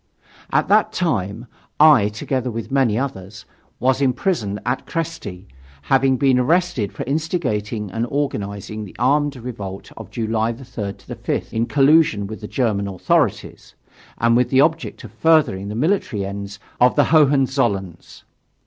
At that time I, together with many others, was imprisoned at Kresty, having been arrested for instigating and organizing the armed revolt of July 3 5, in collusion with the German authorities, and with the object of furthering the military ends of the Hohenzollerns.